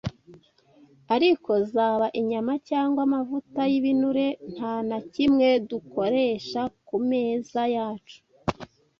ariko zaba inyama cyangwa amavuta y’ibinure nta na kimwe dukoresha ku meza yacu